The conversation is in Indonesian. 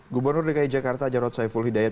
gubernur dki jakarta jarod saiful hidayat